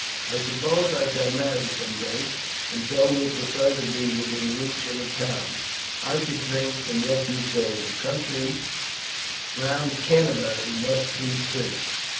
I suppose I shall marry some day, and so would prefer to be within reach of a town. I should think, from what you say, the country round Canterbury must be pretty.